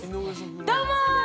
どうも！